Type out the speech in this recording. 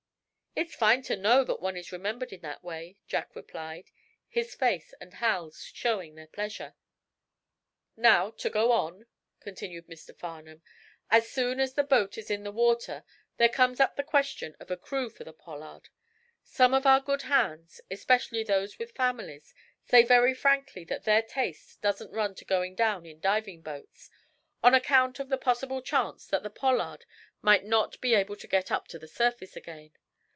"It's fine to know that one is remembered in that way," Jack replied, his face, and Hal's, showing their pleasure. "Now, to go on," continued Mr. Farnum, "as soon as the boat is in the water there comes up the question of a crew for the 'Pollard.' Some of our good hands, especially those with families, say very frankly that their taste doesn't run to going down in diving boats, on account of the possible chance that the Pollard might not be able to get up to the surface again.